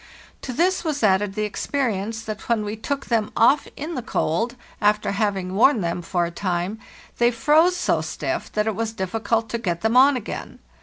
To this was added the experience that when we took them off in the cold, after having worn them for a time, they froze so stiff that it was difficult to get them on again.